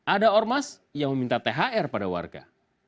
ada ormas yang meminta thr pada warga